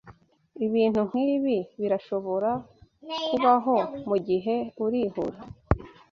Ibintu nkibi birashobora kubaho mugihe urihuta.